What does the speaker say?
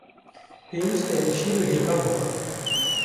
Pêwîst e em şîr û hêkan bixwin.